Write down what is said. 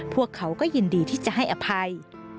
พวกเขาก็ยินดีที่จะให้อภัย